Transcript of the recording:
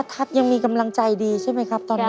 ทัศน์ยังมีกำลังใจดีใช่ไหมครับตอนนั้น